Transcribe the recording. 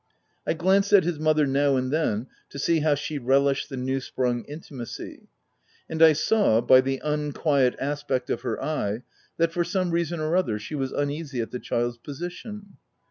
I glanced at his mother now and then, to see how she relished the new sprung intimacy ; and I saw, by the unquiet aspect of her eye, that for some reason or other, she was uneasy at the child's position.